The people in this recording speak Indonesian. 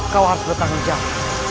kau harus bertanggung jawab